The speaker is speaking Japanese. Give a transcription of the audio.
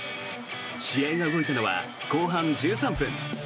試合が動いたのは後半１３分。